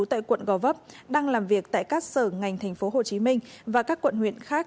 tại quận gò vấp đang làm việc tại các sở ngành tp hcm và các quận huyện khác